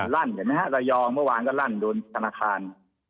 ลั่นเห็นไหมฮะระยองเมื่อวานก็ลั่นโดนธนาคาร